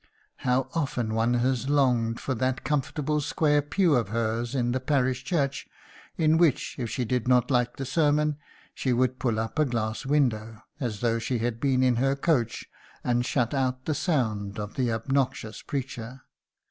How often one has longed for that comfortable square pew of hers in the parish church, in which, if she did not like the sermon, she would pull up a glass window as though she had been in her coach, and shut out the sound of the obnoxious preacher!